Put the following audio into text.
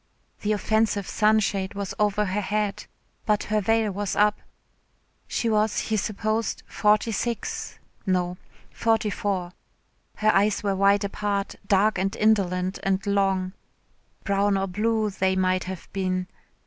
The offensive sunshade was over her head, but her veil was up. She was, he supposed, forty six no, forty four. Her eyes were wide apart, dark and indolent and long brown or blue they might have been.